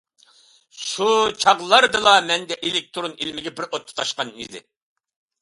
شۇ چاغلاردىلا مەندە ئېلېكتىرون ئىلمىگە بىر ئوت تۇتاشقان چېغى.